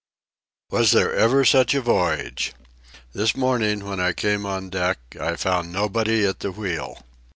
Was there ever such a voyage! This morning, when I came on deck, I found nobody at the wheel.